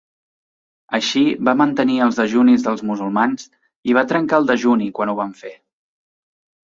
Així, va mantenir els dejunis dels musulmans i va trencar el dejuni quan ho van fer.